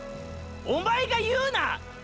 おまえが言うな！